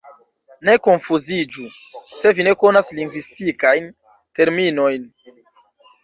Ne konfuziĝu, se vi ne konas lingvistikajn terminojn.